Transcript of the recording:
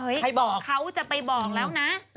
เฮ้ยเขาจะไปบอกแล้วนะ